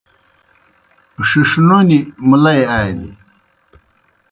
ݜِݜ نونیْ مُلئی آلیْ۔